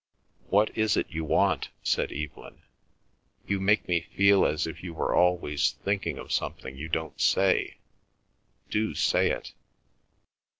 "What is it you want?" said Evelyn. "You make me feel as if you were always thinking of something you don't say. ... Do say it!"